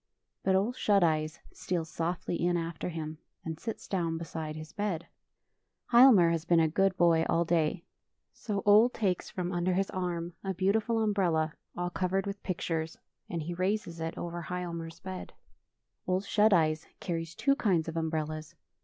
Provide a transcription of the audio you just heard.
But Ole Shut Eyes steals softly in after him, and sits down beside his bed. [ 32 ] OLE SHUT EYES Hialmar has been a good boy all day, so Ole takes from under his arm a beautiful umbrella, all covered with pictures, and he raises it over Hialmar's bed. Ole Shut Eyes carries two kinds of um brellas.